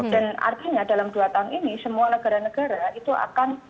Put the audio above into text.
dan artinya dalam dua tahun ini semua negara negara itu akan